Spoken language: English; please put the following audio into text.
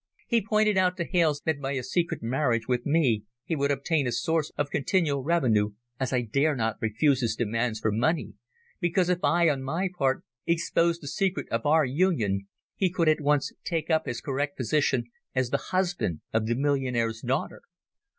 He pointed out to Hales that by a secret marriage with me he would obtain a source of continual revenue, as I dare not refuse his demands for money, because if I, on my part, exposed the secret of our union, he could at once take up his correct position as the husband of the millionaire's daughter.